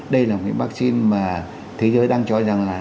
đây là một vaccine mà thế giới đang cho rằng là